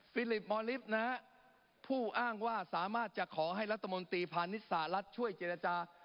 ลิฟมอลิฟต์นะฮะผู้อ้างว่าสามารถจะขอให้รัฐมนตรีพาณิชย์สหรัฐช่วยเจรจา